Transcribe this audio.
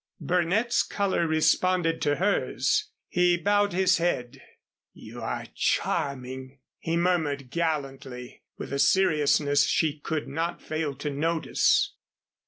Burnett's color responded to hers. He bowed his head. "You are charming," he murmured gallantly with a seriousness she could not fail to notice.